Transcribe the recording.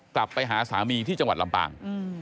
กลับไปหาสามีที่จังหวัดลำปาง